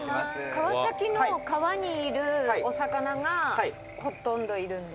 川崎の川にいるお魚がほとんどいるんですか？